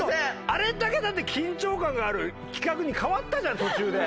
あれだけだって緊張感がある企画に変わったじゃん途中で。